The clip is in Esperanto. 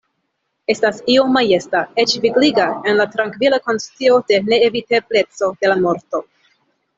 Estas io majesta, eĉ vigliga, en la trankvila konscio de neevitebleco de la morto.